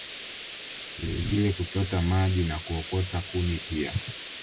Vilevile kuchota maji na kuokota kuni pia